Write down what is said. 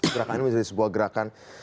gerakan ini menjadi sebuah gerakan